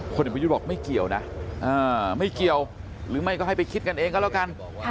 เด็กประยุทธ์บอกไม่เกี่ยวนะไม่เกี่ยวหรือไม่ก็ให้ไปคิดกันเองก็แล้วกัน